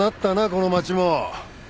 この街も。